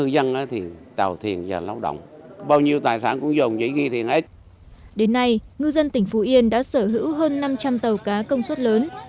đến nay ngư dân tỉnh phú yên đã sở hữu hơn năm trăm linh tàu cá công suất lớn